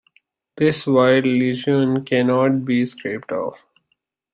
This white lesion cannot be scraped off.